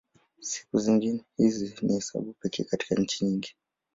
Siku hizi ni hesabu pekee katika nchi nyingi.